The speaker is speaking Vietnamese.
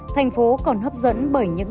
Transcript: thành phố còn hấp dẫn bởi những